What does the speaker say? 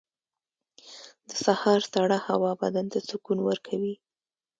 • د سهار سړه هوا بدن ته سکون ورکوي.